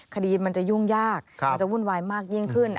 คดีมันจะยุ่งยากมันจะวุ่นวายมากยิ่งขึ้น